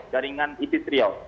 garingan ibit riau